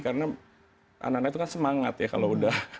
karena anak anak itu kan semangat ya kalau udah